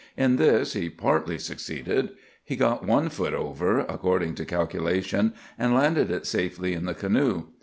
In this he partly succeeded. He got one foot over, according to calculation, and landed it safely in the canoe.